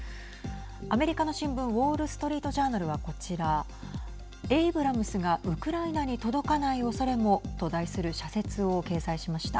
アメリカの新聞ウォール・ストリート・ジャーナルはこちらエイブラムスがウクライナに届かないおそれもと題する社説を掲載しました。